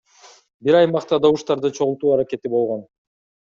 Бир аймакта добуштарды чогултуу аракети болгон.